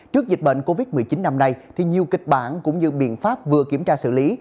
trước dịch bệnh covid một mươi chín năm nay nhiều kịch bản cũng như biện pháp vừa kiểm tra xử lý